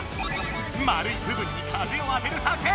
まるい部分に風を当てる作戦。